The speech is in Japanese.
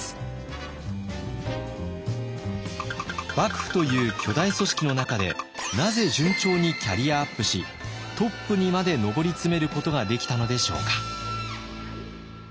幕府という巨大組織の中でなぜ順調にキャリアアップしトップにまで上り詰めることができたのでしょうか。